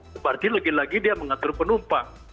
seperti lagi lagi dia mengatur penumpang